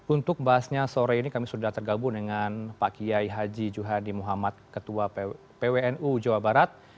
untuk bahasnya sore ini kami sudah tergabung dengan pak kiai haji juhadi muhammad ketua pwnu jawa barat